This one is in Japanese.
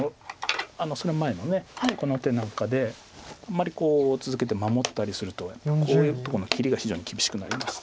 その前のこの手なんかであんまり続けて守ったりするとこういうとこの切りが非常に厳しくなりまして。